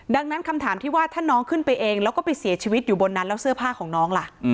ดังนั้นคำถามที่ว่าถ้าน้องขึ้นไปเองแล้วก็ไปเสียชีวิตอยู่บนนั้นแล้วเสื้อผ้าของน้องล่ะ